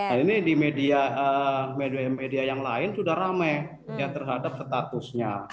nah ini di media media yang lain sudah rame ya terhadap statusnya